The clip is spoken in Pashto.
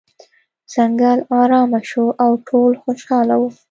ځنګل ارامه شو او ټول خوشحاله وو.